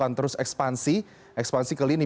akan terus ekspansi ekspansi ke lini